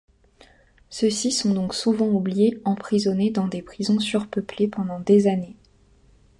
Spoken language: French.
Ceux-ci sont donc souvent oubliés, emprisonnés dans des prisons surpeuplés pendant des années.